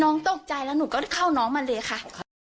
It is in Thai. น้องตกใจแล้วหนูก็เข้าน้องมาเลยค่ะ